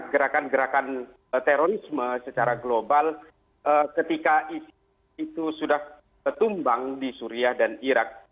gerakan gerakan terorisme secara global ketika isi itu sudah ketumbang di suriah dan irak